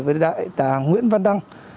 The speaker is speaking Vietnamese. với đại tà nguyễn văn đăng